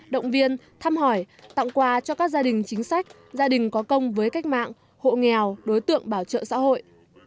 động viên thăm hỏi tặng quà cho các gia đình chính sách gia đình có công với cách mạng hộ nghèo đối tượng bảo trợ xã hội